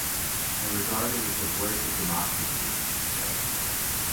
"I regard it as the voice of democracy", she said.